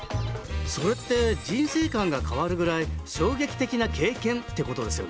それって人生観が変わるぐらい衝撃的な経験ってことですよね。